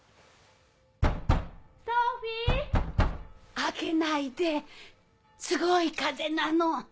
・開けないですごい風邪なの。